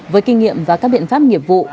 với kinh nghiệm và các biện pháp nghiệp vụ